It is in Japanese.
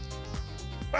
あ！